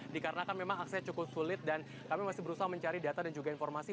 dikarenakan memang aksesnya cukup sulit dan kami masih berusaha mencari data dan juga informasi